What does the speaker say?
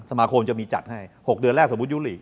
สมาคมจะมีจัดให้๖เดือนแรกสมมุติยุรี